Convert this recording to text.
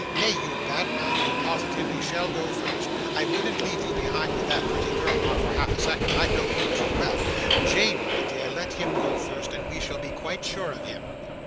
'Nay, you bad man, you positively shall go first; I wouldn't leave you behind with that pretty girl, not for half a second. I know you too well. Jane, my dear, let him go first, and we shall be quite sure of him.